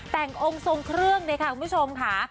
แต่งองค์ทรงเครื่องเลยค่ะคุณผู้ชมค่ะ